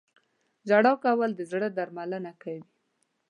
• ژړا کول د زړه درملنه کوي.